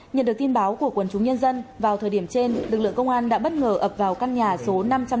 nhận được tin báo của quần chúng nhân dân vào thời điểm trên lực lượng công an đã bất ngờ ập vào căn nhà số năm trăm sáu mươi bảy